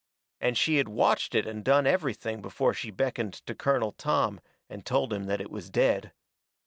And she had watched it and done everything before she beckoned to Colonel Tom and told him that it was dead.